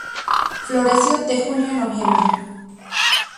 Floración de junio a noviembre.